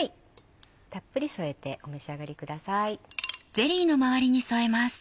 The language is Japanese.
たっぷり添えてお召し上がりください。